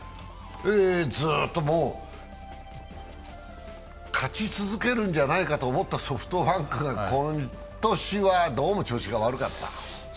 ずーっともう勝ち続けると思ったソフトバンクが今年はどうも調子が悪かった。